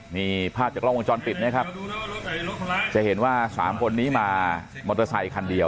นี่ภาพจากกล้องวงจรปิดนะครับจะเห็นว่าสามคนนี้มามอเตอร์ไซคันเดียว